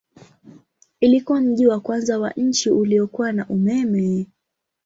Ilikuwa mji wa kwanza wa nchi uliokuwa na umeme.